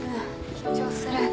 緊張する。